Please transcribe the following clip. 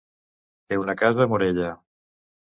Té una casa a Morella.